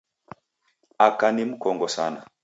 Aka ni mkongo sana.